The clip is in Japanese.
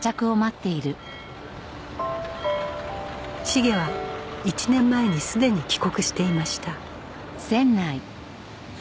繁は１年前にすでに帰国していました